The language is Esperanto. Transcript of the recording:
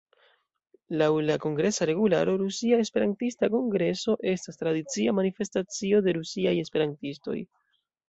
Laŭ la Kongresa regularo, "Rusia Esperantista Kongreso estas tradicia manifestacio de rusiaj esperantistoj.